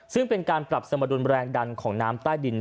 ซึ่งเป็นการปรับสมดุลแรงดันของน้ำใต้ดิน